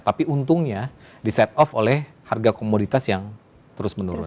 tapi untungnya di set off oleh harga komoditas yang terus menurun